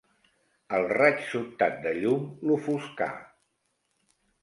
El raig sobtat de llum l'ofuscà.